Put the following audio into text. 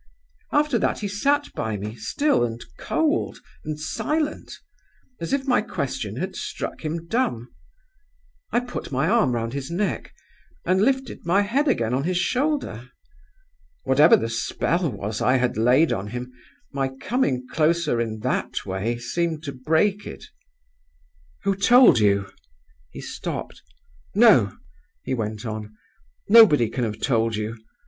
After that he sat by me, still, and cold, and silent, as if my question had struck him dumb. I put my arm round his neck, and lifted my head again on his shoulder. Whatever the spell was I had laid on him, my coming closer in that way seemed to break it. "'Who told you?' He stopped. 'No,' he went on, 'nobody can have told you.